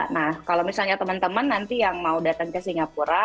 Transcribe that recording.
nah kalau misalnya teman teman nanti yang mau datang ke singapura